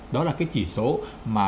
đó là cái chỉ số mà